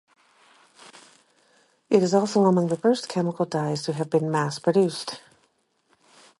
It is also among the first chemical dyes to have been mass-produced.